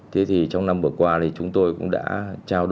trong năm vừa qua chúng tôi cũng đã trang truyền